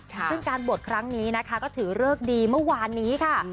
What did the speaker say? ซึ่งการบวชครั้งนี้นะคะก็ถือเลิกดีเมื่อวานนี้ค่ะ